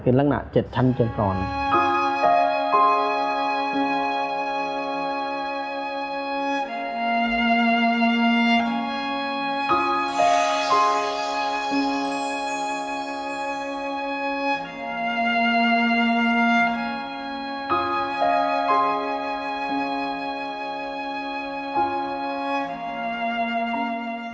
กดตรงกลางที่๑๒วันต่อจุภายจะเป็นแค่๕นับ